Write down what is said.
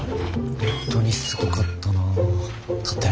本当にすごかったなあ殺陣。